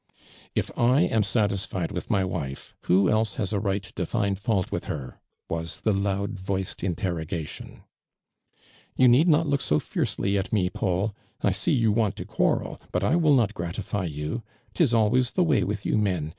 '"'" If I am satisfied with my wife, who else has a right to find fault with her'/"' was the loud voiced interrogation. " You need not look so fiercely at me, Paul. I see you want to quarrel, i)ut 1 will not gratify you. 'Tis always the way with you men.